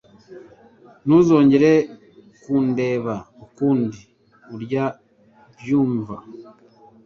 Ntuzongere kundeba ukundi ura byumva.